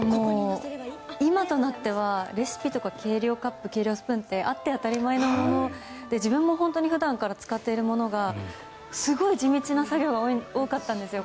今となってはレシピとか計量カップ計量スプーンってあって当たり前のもので自分も普段から使っているものがすごい地道な作業が多かったんですよ。